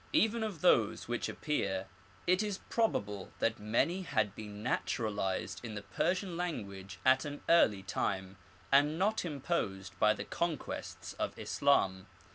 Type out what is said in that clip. Even of those which appear, it is probable that many had been naturalized in the Persian language at an early time, and not imposed by the conquests of Islam.